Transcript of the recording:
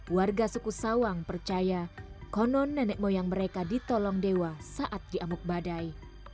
warga suku sawang percaya konon nenek moyang mereka ditolong dewa saat diamuk badai